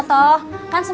besok kali mah